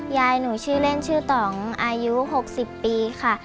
ยายหนูชื่อเล่นชื่อต่องอายุ๖๐ปีค่ะ